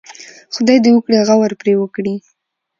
خدای دې وکړي غور پرې وکړي.